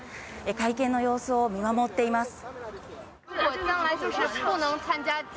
会見の様子を見守っています。